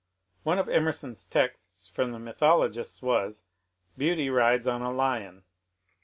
One of Emerson's texts from the mythologists was, " Beauty rides on a Lion."